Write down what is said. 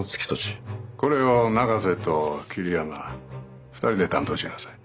これを永瀬と桐山二人で担当しなさい。